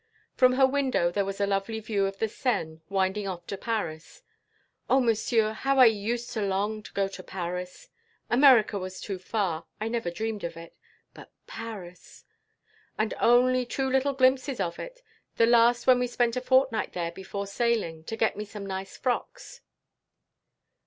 From her window there was a lovely view of the Seine winding off to Paris. "Oh, monsieur, how I used to long to go to Paris! America was too far. I never even dreamed of it. But Paris! And only two little glimpses of it the last when we spent a fortnight there before sailing, to get me some nice frocks...."